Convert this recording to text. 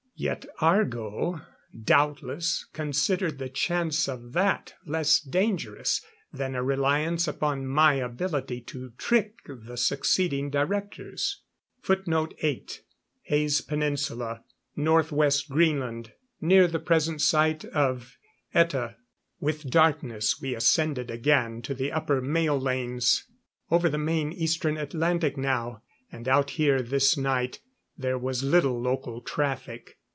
Yet Argo doubtless considered the chance of that less dangerous than a reliance upon my ability to trick the succeeding directors. [Footnote 8: Hayes Peninsula, Northwest Greenland, near the present site of Etah.] With darkness we ascended again to the upper mail lanes. Over the main Eastern Atlantic now, and out here this night, there was little local traffic.